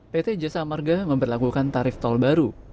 pt jasa marga memperlakukan tarif tol baru